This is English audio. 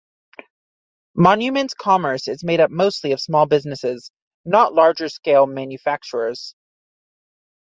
Monument's commerce is made up mostly of small businesses, not larger scale manufacturers.